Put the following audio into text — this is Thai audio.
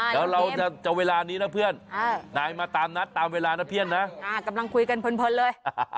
เดี๋ยวเราจะเวลานี้นะเพื่อนนายมาตามนัดตามเวลานะเพื่อนนะกำลังคุยกันเพลินเลย